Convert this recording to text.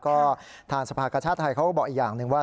ก็ทางสภาคชาติไทยเขาก็บอกอีกอย่างหนึ่งว่า